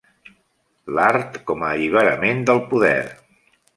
L'art com a alliberament del poder.